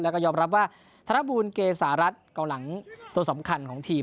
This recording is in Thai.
แล้วก็ยอมรับว่าธนบูลเกษารัฐเกาหลังตัวสำคัญของทีม